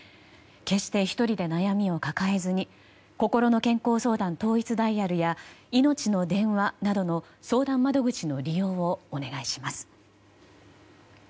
決して１人で悩みを抱えずにこころの健康相談統一ダイヤルやいのちの電話などの相談窓口の利用をお願いします。